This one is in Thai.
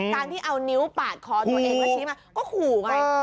การที่เอานิ้วปาดคอตัวเองแล้วชี้มาก็ขู่ไง